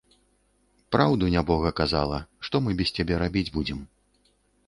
Праўду нябога казала, што мы без цябе рабіць будзем.